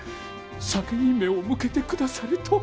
酒に目を向けてくださるとは！